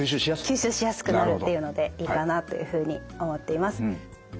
吸収しやすくなるっていうのでいいかなというふうに思っています。